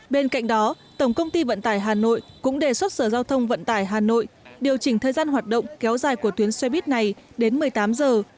bên cạnh đó tổng công ty vận tải hà nội cũng đề xuất sở giao thông vận tải hà nội điều chỉnh thời gian hoạt động kéo dài của tuyến xe buýt này đến một mươi tám giờ